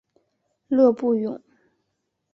勒布永。